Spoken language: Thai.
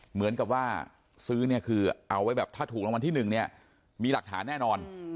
เหมือนกับว่าซื้อเอาไว้ใบถ้าถูกรางวัลที๑มีหลักฐานแน่นอน